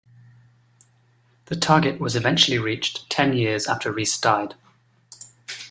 The target was eventually reached, ten years after Rhys died.